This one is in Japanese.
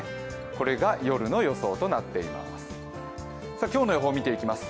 これが夜の予想となっています。